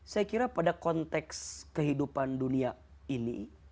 saya kira pada konteks kehidupan dunia ini